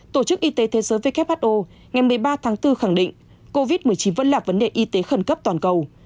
tổ chức y tế thế giới who ngày một mươi ba tháng bốn khẳng định covid một mươi chín vẫn là vấn đề y tế khẩn cấp toàn cầu